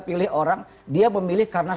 pilih orang dia memilih karena